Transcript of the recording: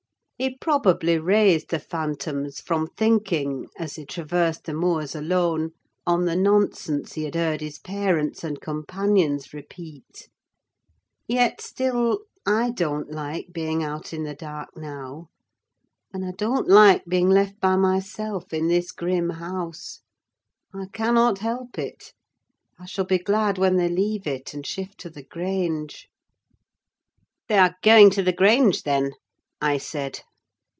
He probably raised the phantoms from thinking, as he traversed the moors alone, on the nonsense he had heard his parents and companions repeat. Yet, still, I don't like being out in the dark now; and I don't like being left by myself in this grim house: I cannot help it; I shall be glad when they leave it, and shift to the Grange. "They are going to the Grange, then?" I said.